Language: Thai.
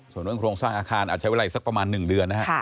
ส่วนเรื่องโครงสร้างอาคารอาจใช้เวลาอีกสักประมาณ๑เดือนนะฮะ